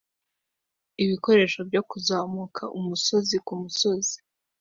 Ibikoresho byo kuzamuka umusozi kumusozi